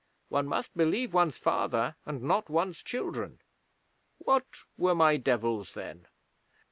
One must believe one's father, and not one's children. What were my Devils, then?'